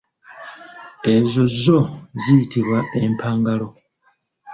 Ezo zo ziyitibwa empangalo.